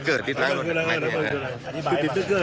ติดที่สายเบิร์นเนี่ย